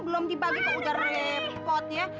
belum dibagi kok udah repot ya